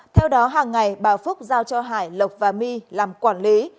theo đó hàng ngày bà phúc giao cho hải lộc và my làm quản lý